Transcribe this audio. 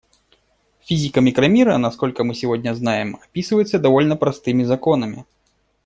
Физика микромира, насколько мы сегодня знаем, описывается довольно простыми законами.